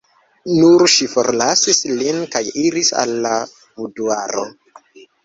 Nun ŝi forlasis lin kaj iris al la buduaro.